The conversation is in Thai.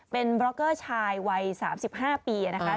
เป็นบล็อกเกอร์ชายวัย๓๕ปีนะคะ